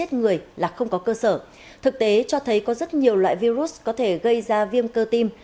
cảm ơn các bạn đã theo dõi